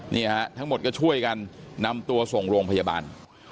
ทั้งหมดก็ช่วยกันนำตัวส่งโรงพยาบาล